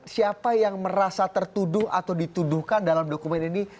siapa yang merasa tertuduh atau dituduhkan dalam dokumen ini